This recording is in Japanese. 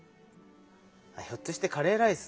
ひょっとしてカレーライス？